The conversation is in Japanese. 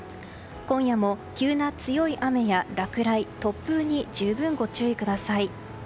今夜も急な強い雨や落雷、突風に十分ご注意ください。